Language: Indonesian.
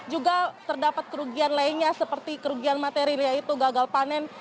juga terdapat kerugian lainnya seperti kerugian materi yaitu gagal panen